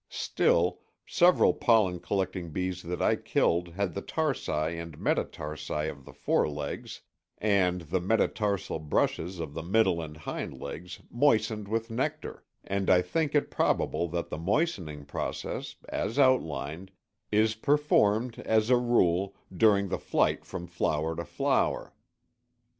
Still, several pollen collecting bees that I killed had the tarsi and metatarsi of the forelegs and the metatarsal brushes of the middle and hind legs moistened with nectar, and I think it probable that the moistening process, as outlined, is performed, as a rule, during the flight from flower to flower.